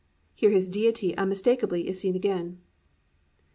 "+ Here His Deity unmistakably is seen again.